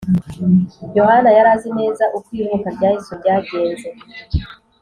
Yohana yari azi neza uko ivuka rya Yesu ryagenze